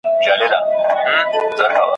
یو خو نه دی را سره دي زر یادونه !.